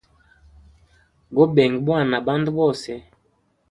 Gobenga bwana na bandu bose.